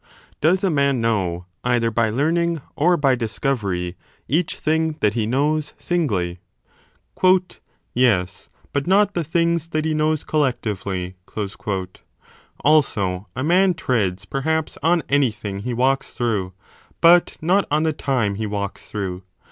Does a man know either by learning or by discovery each thing that he knows, singly ? Yes, but not the things that he knows, collectively. Also a man treads, perhaps, on any thing he walks through, but not on the time he walks through.